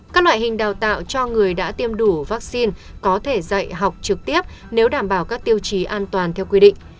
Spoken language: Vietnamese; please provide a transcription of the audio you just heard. các loại hình đào tạo cho người đã tiêm đủ vaccine có thể dạy học trực tiếp nếu đảm bảo các tiêu chí an toàn theo quy định